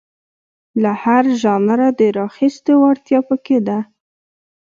له هر ژانره د راخیستو وړتیا په کې ده.